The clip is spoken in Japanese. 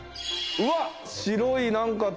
うわっ！